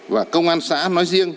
và công an xã nói riêng